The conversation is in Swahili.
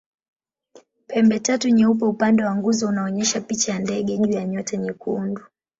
Pembetatu nyeupe upande wa nguzo unaonyesha picha ya ndege juu ya nyota nyekundu.